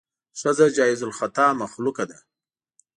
ښځه جایز الخطا مخلوقه ده.